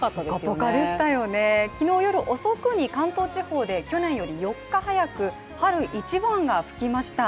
ぽかぽかでしたよね、昨日夜遅くに関東地方で去年より４日早く春一番が吹きました。